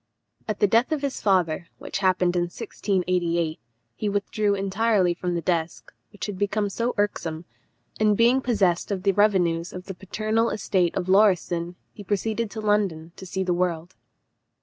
At the death of his father, which happened in 1688, he withdrew entirely from the desk, which had become so irksome, and being possessed of the revenues of the paternal estate of Lauriston, he proceeded to London, to see the world.